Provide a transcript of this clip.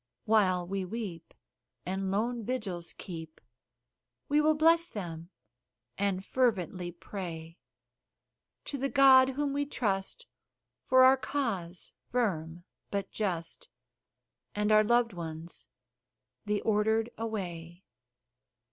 While we weep, and lone vigils keep, We will bless them, and fervently pray To the God whom we trust, for our cause firm but just, And our loved ones the Ordered away.